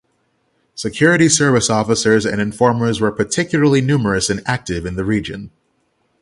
Security service officers and informers were particularly numerous and active in the region.